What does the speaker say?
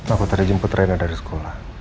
aku tadi jemput rena dari sekolah